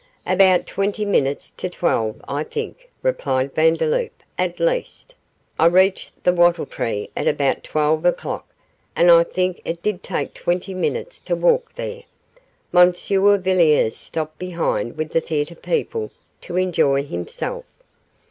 'About twenty minutes to twelve, I think,' replied Vandeloup, 'at least, I reached the "Wattle Tree" at about twelve o'clock, and I think it did take twenty minutes to walk there. Monsieur Villiers stopped behind with the theatre people to enjoy himself.